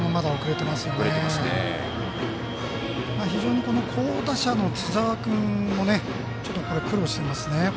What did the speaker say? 非常に好打者の津澤君もちょっと苦労していますね